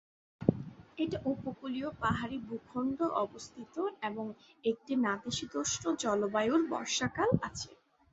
এটা, উপকূলীয় পাহাড়ী ভূখণ্ড অবস্থিত এবং একটি নাতিশীতোষ্ণ জলবায়ুর বর্ষাকাল আছে।